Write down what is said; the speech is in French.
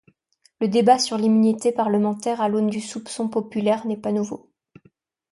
Le débat sur l'immunité parlementaire à l'aune du soupçon populaire n'est pas nouveau.